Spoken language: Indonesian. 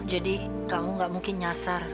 jadi kamu gak mungkin nyasar